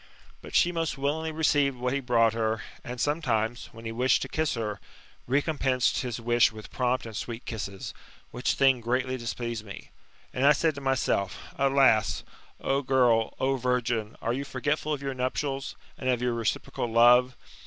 But she most willingly received what he brought her, and sometimes, when he wished to kiss her, recompensed his wish with prompt and sweet kisses ; which thing greatly displeased me. And I said to myself: Alas! O girl, O virgin, are you forgetful of your nuptials, and of your reciprocal love